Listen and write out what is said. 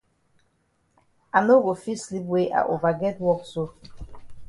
I no go fit sleep wey I ova get wok so.